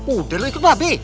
udah lu ikut pak be